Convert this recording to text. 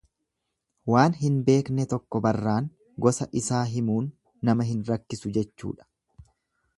Waan hin beekne tokko barraan gosa isaa himuun nama hin rakkisu jechuudha.